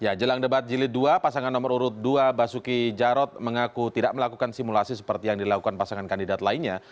ya jelang debat jilid dua pasangan nomor urut dua basuki jarod mengaku tidak melakukan simulasi seperti yang dilakukan pasangan kandidat lainnya